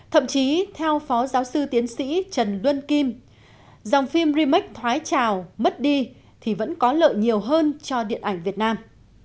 thậm chí theo phó giáo sư tiến sĩ trần luân kim dòng phim remec thoái trào mất đi thì vẫn có lợi nhiều hơn cho điện ảnh việt nam